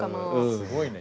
すごいね。